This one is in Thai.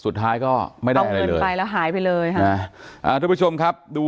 อ๋อเจ้าสีสุข่าวของสิ้นพอได้ด้วย